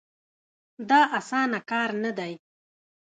دا اسانه کار نه دی.